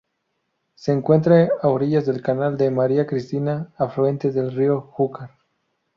Se encuentra a orillas del Canal de María Cristina, afluente del río Júcar.